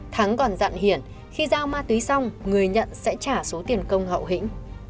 thắng còn dặn hiển khi giao ma túy xong người nhận sẽ trả số tiền công hậu hĩnh